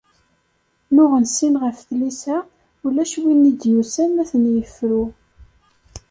Nuɣen sin ɣef tlisa, ulac win i d-yusan ad ten-ifru.